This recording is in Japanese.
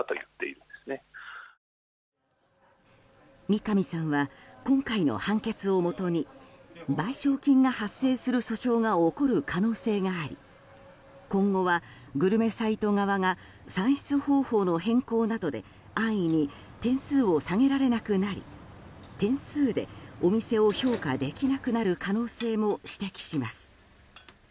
三上さんは今回の判決をもとに賠償金が発生する訴訟が起こる可能性があり今後はグルメサイト側が算出方法の変更などで安易に点数を下げられなくなり点数でお店を評価できなくなる可能性も指摘します。